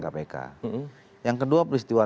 kpk yang kedua peristiwa